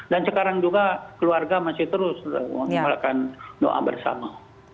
dan sekarang juga keluarga masih terus melakukan doa bersama